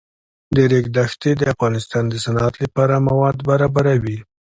د ریګ دښتې د افغانستان د صنعت لپاره مواد برابروي.